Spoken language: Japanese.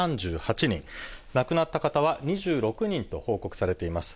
亡くなった方は２６人と報告されています。